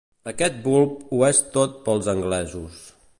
Aquest bulb ho és tot pels anglesos.